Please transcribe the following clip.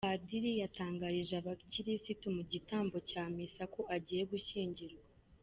Padiri yatangarije abakirisitu mu gitambo cya misa ko agiye gushyingirwa